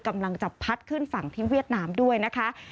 กำลังจะพัดขึ้นฝั่งที่เวียดนามด้วยนะคะ